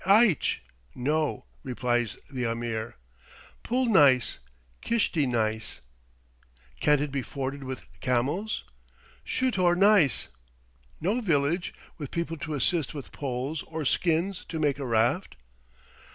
"Eitch" (no), replies the Ameer. "Pull neis, kishti neis." "Can't it be forded with camels?" "Shutor neis." "No village, with people to assist with poles or skins to make a raft?"